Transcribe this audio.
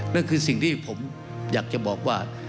นั่นคือสิ่งที่ผมอยากจะบอกว่า